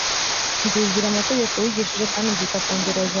Nzibwira amategeko wigishije, kandi nzita ku nzira zawe